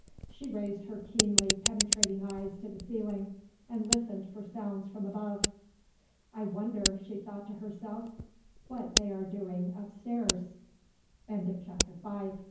She raised her keenly penetrating eyes to the ceiling, and listened for sounds from above. "I wonder," she thought to herself, "what they are doing upstairs?" CHAPTER VI. Mrs. Galli